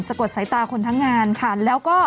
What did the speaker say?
สกดใส่ตาคนทั้งงานค่ะ